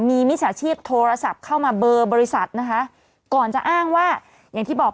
มีมิจฉาชีพโทรศัพท์เข้ามาเบอร์บริษัทนะคะก่อนจะอ้างว่าอย่างที่บอก